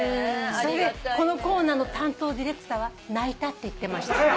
それでこのコーナーの担当ディレクターは泣いたって言ってました。